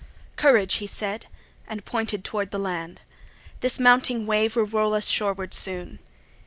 "Courage!" he said, and pointed toward the land, "This mounting wave will roll us shoreward soon."